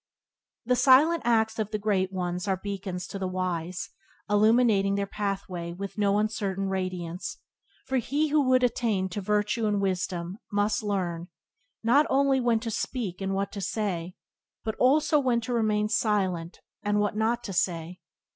The silent acts of the Great Ones are beacons to the wise, illuminating their pathway with no uncertain radiance, for he would attain to virtue and wisdom must learn, not only when to speak and what to say, but also when to remain silent and what not to say.